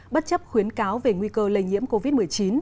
bất chấp khuyến cáo về nguy cơ lây nhiễm covid một mươi chín